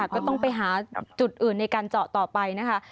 ก็ต้องไปหาจุดอื่นในการเจาะต่อไปนะคะ